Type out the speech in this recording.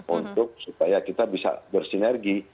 untuk supaya kita bisa bersinergi